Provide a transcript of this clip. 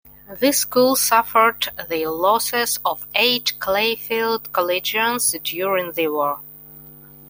The school suffered the losses of eight Clayfield Collegians during the war.